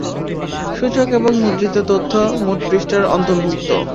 সূচক এবং মুদ্রিত তথ্য, মোট পৃষ্ঠার অন্তর্ভুক্ত।